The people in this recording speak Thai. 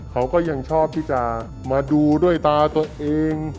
เขาก็ยังชอบที่จะมาดูด้วยตาตัวเอง